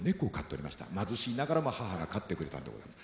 貧しいながらも母が飼ってくれたんでございます。